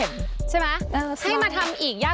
ของล้างจานนะฮะ